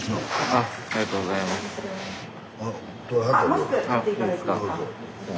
あっいいですか？